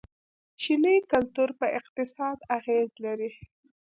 چیني کلتور په اقتصاد اغیز لري.